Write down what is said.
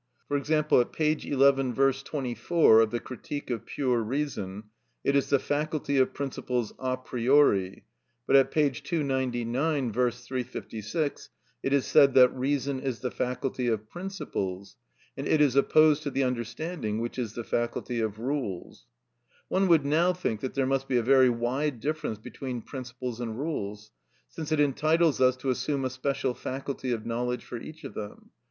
(4) For example, at p. 11; V. 24, of the "Critique of Pure Reason," it is the faculty of principles a priori; but at p. 299; V. 356, it is said that reason is the faculty of principles, and it is opposed to the understanding, which is the faculty of rules! One would now think that there must be a very wide difference between principles and rules, since it entitles us to assume a special faculty of knowledge for each of them.